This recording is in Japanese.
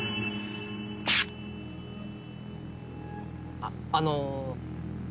あっあの。